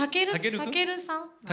たけるさん？